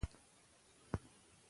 مبتداء درې ډولونه لري.